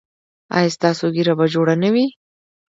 ایا ستاسو ږیره به جوړه نه وي؟